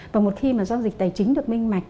và một khi mà giao dịch tài chính được minh mạch